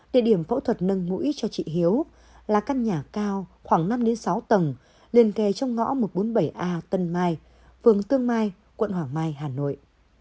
địa điểm phẫu thuật nâng mũi cho chị hiếu là căn nhà cao khoảng năm sáu tầng liền kề trong ngõ một trăm bốn mươi bảy a tân mai phường tương mai quận hoàng mai hà nội